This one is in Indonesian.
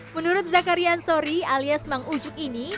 menurut zakarian sori alias mang ujuk ini